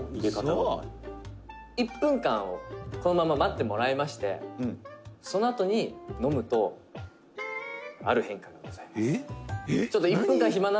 「１分間をこのまま待ってもらいましてそのあとに飲むとある変化がございます」